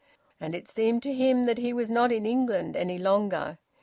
And it seemed to him that he was not in England any longer.